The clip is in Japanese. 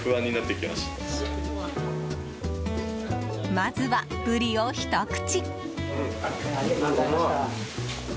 まずは、ブリをひと口。